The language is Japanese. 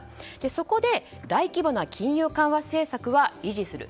そこで、大規模な金融緩和政策は維持する。